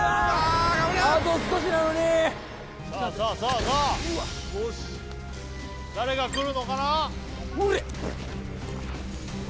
あと少しなのにさあさあさあさあ誰が来るのかなおらっ！